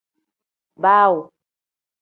Baawu.